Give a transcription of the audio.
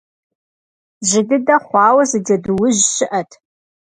Жьы дыдэ хъуауэ зы Джэдуужь щыӀэт.